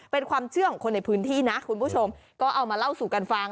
เป็นความเชื่อของคนในพื้นที่นะคุณผู้ชมก็เอามาเล่าสู่กันฟัง